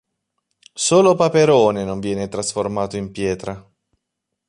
Solo Paperone non viene trasformato in pietra.